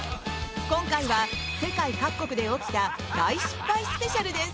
今回は世界各国で起きた大失敗スペシャルです。